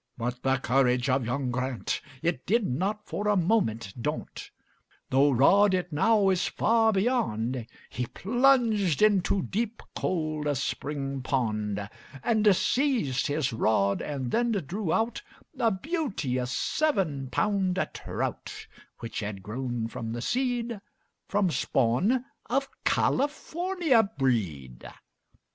But the courage of young Grant, It did not for a moment daunt, Though rod it now is far beyond, He plunged into deep, cold spring pond. And seized his rod and then drew out A beauteous seven pound trout, Which had grown from the seed From spawn of California breed.